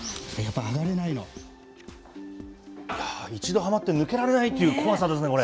一度はまって抜けられないという怖さですね、これ。